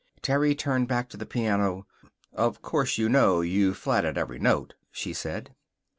Terry turned back to the piano. "Of course you know you flatted every note," she said.